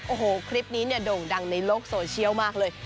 โอ้โหคลิปนี้เนี่ยโด่งดังในโลกโซเชียลมากเลย